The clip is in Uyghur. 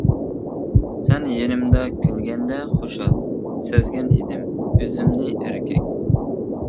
سەن يېنىمدا كۈلگەندە خۇشال، سەزگەن ئىدىم ئۆزۈمنى ئەركەك.